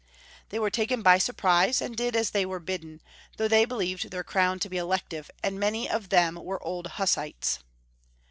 They were taken by surprise, and did as they were bidden, though they believed their crown to be elective, and many of them were old Huss ites.